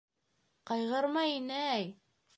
— Ҡайғырма, инәй.